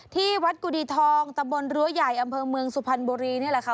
ที่วัดกุดีทองตะบนรั้วใหญ่อำเภอเมืองสุพรรณบุรีนี่แหละค่ะ